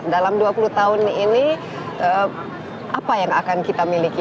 dalam dua puluh tahun ini apa yang akan kita miliki